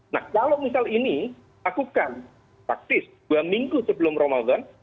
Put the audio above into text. nah kalau misal ini lakukan praktis dua minggu sebelum ramadan